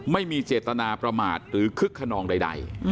ไม่มีเจตนาประมาทหรือคึกขนองใด